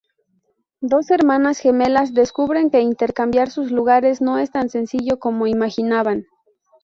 Dos hermanas gemelas descubren que intercambiar sus lugares no es tan sencillo como imaginaban.